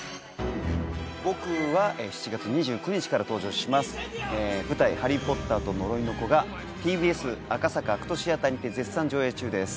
僕は７月２９日から登場します舞台「ハリー・ポッターと呪いの子」がＴＢＳ赤坂ＡＣＴシアターにて絶賛上演中です